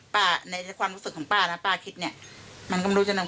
ป้าในความรู้สึกของป้านะป้าคิดเนี้ยมันก็ไม่รู้จักนั้น